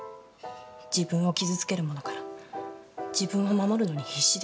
自分を傷つけるものから自分を守るのに必死でした。